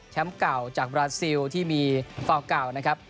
เก่าจากบราซิลที่มีฟาวเก่านะครับ